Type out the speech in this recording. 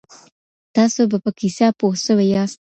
تاسو به په کیسه پوه سوي یاست.